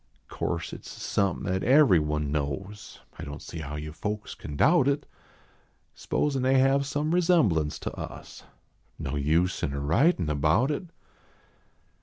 Course at s somepin at everyone knows ; 1 don t see how you folks can doubt it ; S posin they have some resemblance to us. No use in a writin about it.